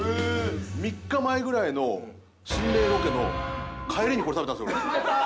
３日前ぐらいの心霊ロケの帰りにこれを食べたんですよ。